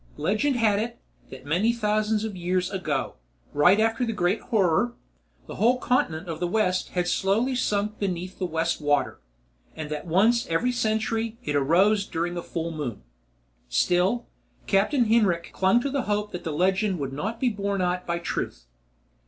_ Legend had it, that many thousands of years ago, right after the Great Horror, the whole continent of the west had slowly sunk beneath the West Water, and that once every century it arose during a full moon. Still, Captain Hinrik clung to the hope that the legend would not be borne out by truth.